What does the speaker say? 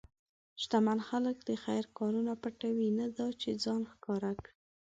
شتمن خلک د خیر کارونه پټوي، نه دا چې ځان ښکاره کړي.